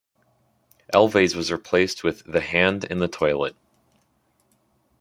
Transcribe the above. Elvays was replaced with "the Hand in the Toilet".